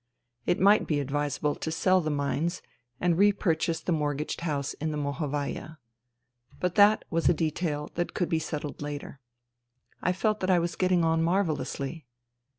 It might be advisable to sell the mines and re purchase the mortgaged house in the Mohovaya. But that was a detail that could be settled later. I felt that I was getting on marvellously.